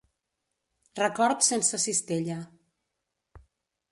Records sense cistella.